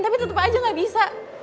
tapi tetap aja gak bisa